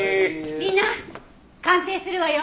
みんな鑑定するわよ。